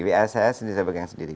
wa saya sendiri saya pegang sendiri